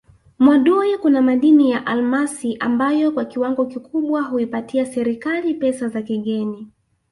Mwadui kuna madini ya almasi ambayo kwa kiwango kikubwa huipatia serikali pesa za kigeni